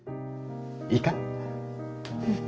いいか？